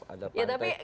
ada pantai bersama